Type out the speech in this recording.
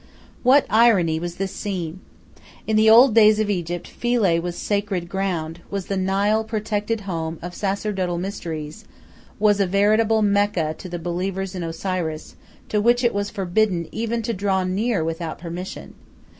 What irony was in this scene! In the old days of Egypt Philae was sacred ground, was the Nile protected home of sacerdotal mysteries, was a veritable Mecca to the believers in Osiris, to which it was forbidden even to draw near without permission.